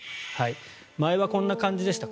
前はこんな感じでした。